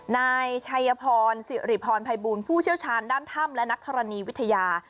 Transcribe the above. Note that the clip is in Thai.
นายชัยพรสิริพรภัยบูลผู้เชี่ยวชาญด้านถ้ำและนักธรณีวิทยา